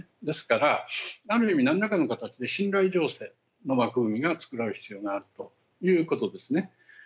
ですから、ある意味なんらかの形で信頼醸成の枠組みが作られる必要があるということですね。